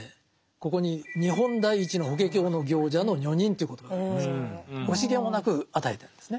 ここに「日本第一の『法華経』の行者の女人」という言葉がありますが惜しげもなく与えてるんですね。